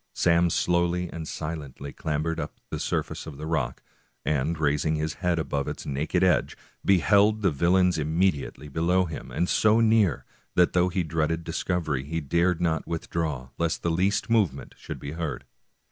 Sam slowly and silently clambered up the surface of the rock, and raising his head above its naked edge, beheld the vil lains immediately below him, and so near that though he dreaded discovery he dared not withdraw lest the least move ment should be heard.